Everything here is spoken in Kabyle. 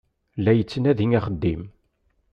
La yettnadi axeddim.